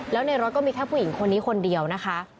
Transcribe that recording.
แล้วในรถก็มีแค่ผู้หญิงคนนี้คนเดียวนะคะ